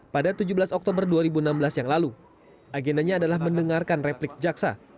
pada tujuh belas oktober dua ribu enam belas yang lalu agendanya adalah mendengarkan replik jaksa